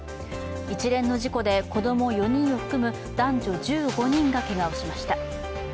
一連の事故で子供４人を含む男女１５人がけがをしました。